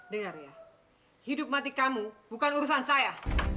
dengar ya hidup mati kamu bukan urusan saya